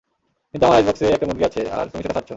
কিন্তু আমার আইসবক্সে একটা মুরগি আছে, আর তুমি সেটা খাচ্ছ।